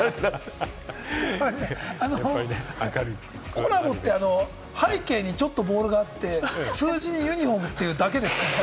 コラボって背景にちょっとボールがあって、数字にユニホームというだけですけど。